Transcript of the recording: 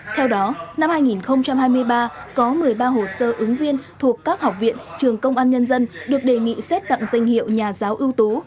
theo đó năm hai nghìn hai mươi ba có một mươi ba hồ sơ ứng viên thuộc các học viện trường công an nhân dân được đề nghị xét tặng danh hiệu nhà giáo ưu tú